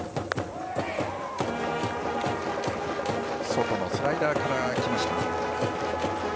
外のスライダーからいきました。